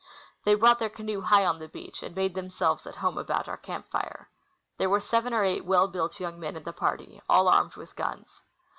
They brought their canoe high on the beach, and made them selves at home about our camp fire. There were seven or eight well built young men in the party, all armed with guns.